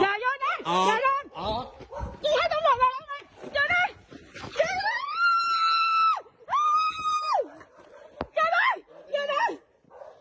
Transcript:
อ่ะเราอย่ายอดอย่ายอด